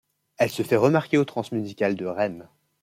Elle se fait remarquer aux Transmusicales de Rennes.